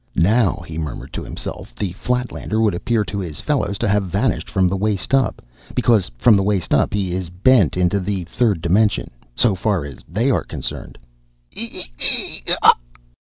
"Now," he murmured to himself, "the Flatlander would appear to his fellows to have vanished from the waist up, because from the waist up he is bent into the third dimension ... so far as they are concerned...." "E e e e e!"